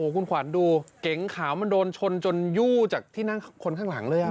คุณขวัญดูเก๋งขาวมันโดนชนจนยู่จากที่นั่งคนข้างหลังเลย